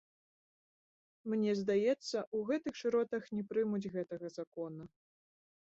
Мне здаецца, у гэтых шыротах не прымуць гэтага закона.